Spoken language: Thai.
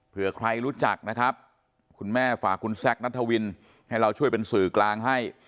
เพื่อใครรู้จักนะครับคุณแม่ฝากคุณแซคนัทวินให้เราช่วยเป็นสื่อกลางให้